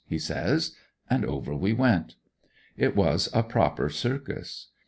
he says. And over we went. It was a proper circus.